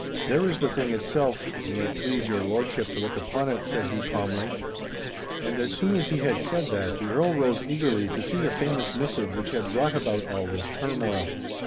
'There is the thing itself; may it please your lordship to look upon it,' said he, calmly. And as soon as he had said that, the Earl rose eagerly to see the famous missive which had drought about all this turmoil.